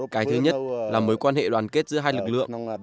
cái thứ nhất là mối quan hệ đoàn kết giữa hai lực lượng